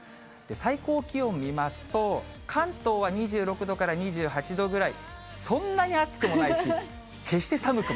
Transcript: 最高気温を見ますと、関東は２６度から２８度ぐらい、そんなに暑くもないし、そうですね。